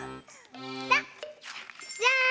じゃん！